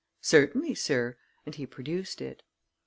"Certainly, sir," and he produced it.